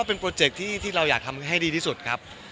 เป็นโปรเจคที่เราอยากทำให้ดีที่สุดครับ